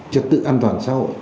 trật tự an toàn xã hội